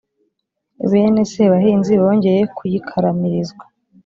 bene sebahinzi bongeye kuyikaramirizwa